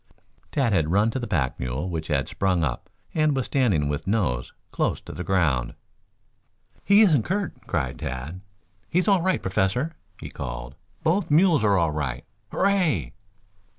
Tad had run to the pack mule which had got up, and was standing with nose close to the ground. "He isn't hurt," cried Tad. "He is all right, Professor," he called. "Both mules are all right. Hooray!"